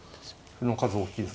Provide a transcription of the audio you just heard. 歩の数大きいですね。